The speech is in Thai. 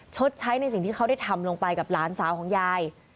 ชดใช้ในสิ่งที่เขาได้ทำลงไปกับหลานสาวของยาย